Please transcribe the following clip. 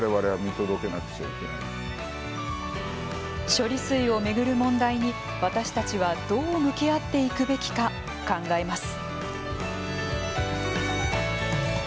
処理水を巡る問題に私たちはどう向き合っていくべきか考えます。